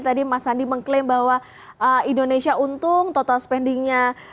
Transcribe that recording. tadi mas sandi mengklaim bahwa indonesia untung total spending nya